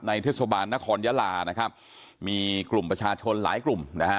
เทศบาลนครยาลานะครับมีกลุ่มประชาชนหลายกลุ่มนะฮะ